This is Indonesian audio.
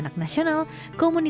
dan orang tua